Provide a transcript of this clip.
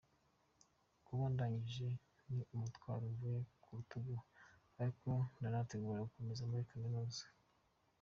Kuba ndangije ni umutwaro umvuye ku rutugu ariko ndanategura gukomeza muri Kaminuza.